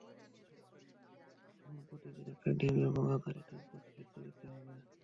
যেমন প্রতিদিন একটা ডিম এবং আধা লিটার দুধ খেতে দিতে হবে।